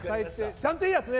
ちゃんといいやつね。